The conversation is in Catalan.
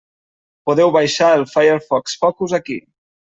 Podeu baixar el Firefox Focus aquí.